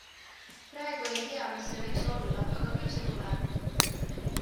Praegu ei tea, mis see võiks olla, aga küll see tuleb.